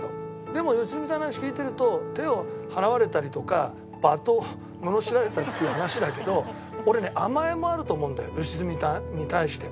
でも良純さんの話聞いてると手を払われたりとか罵倒ののしられたりっていう話だけど俺ね甘えもあると思うんだよ良純さんに対して。